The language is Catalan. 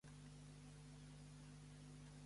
Es va llançar després del llançament del TurboExpress.